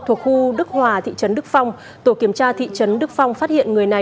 thuộc khu đức hòa thị trấn đức phong tổ kiểm tra thị trấn đức phong phát hiện người này